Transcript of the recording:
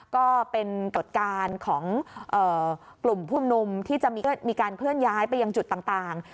ก็เป็นตรวจการของเอ่อกลุ่มผู้มนุมที่จะมีมีการเคลื่อนย้ายไปยังจุดต่างต่าง